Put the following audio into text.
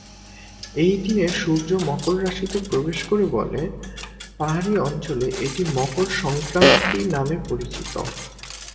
এই দিনে সূর্য মকর রাশিতে প্রবেশ করে বলে পাহাড়ি অঞ্চলে এটি মকর সংক্রান্তি নামে পরিচিত।